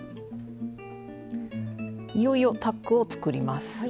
いよいよタックを作ります。